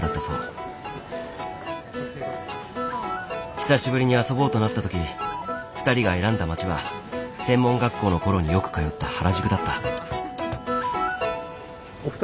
久しぶりに遊ぼうとなったとき２人が選んだ街は専門学校のころによく通った原宿だった。